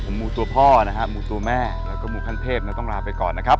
ผมมูตัวพ่อนะครับมูตัวแม่แล้วก็มูพันเทพนะครับต้องลาไปก่อนนะครับ